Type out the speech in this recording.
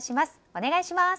お願いします。